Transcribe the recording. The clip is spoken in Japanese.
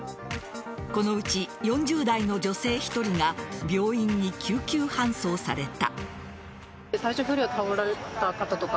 このうち４０代の女性１人が病院に救急搬送された。